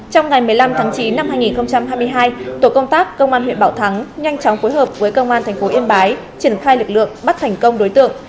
trong ngày một mươi năm tháng chín năm hai nghìn hai mươi hai tổ công tác công an huyện bảo thắng nhanh chóng phối hợp với công an tp yên bái triển khai lực lượng bắt thành công đối tượng